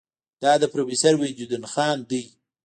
دا د پروفیسور وحیدالدین خان دی.